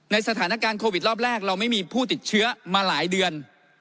สถานการณ์โควิดรอบแรกเราไม่มีผู้ติดเชื้อมาหลายเดือน